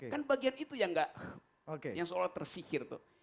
kan bagian itu yang seolah tersihir tuh